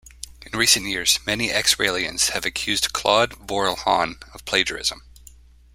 In recent years, many ex-Raelians have accused Claude Vorilhon of plagiarism.